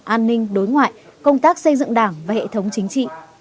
an ninh đối ngoại công tác xây dựng đảng và hệ thống chính trị